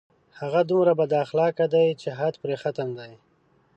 هغه دومره بد اخلاقه دی چې حد پرې ختم دی